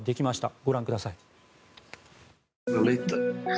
ご覧ください。